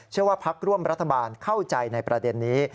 เชื่อว่าภักดิ์ร่วมรัฐบาลเข้าใจในประเด็นนี้